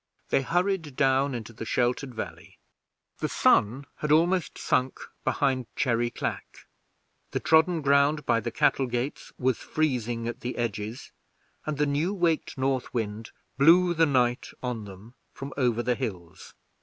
They hurried down into the sheltered valley. The sun had almost sunk behind Cherry Clack, the trodden ground by the cattle gates was freezing at the edges, and the new waked north wind blew the night on them from over the hills.